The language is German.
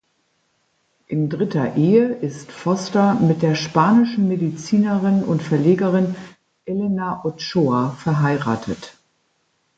In dritter Ehe ist Foster mit der spanischen Medizinerin und Verlegerin Elena Ochoa verheiratet.